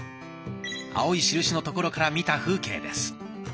青い印の所から見た風景です。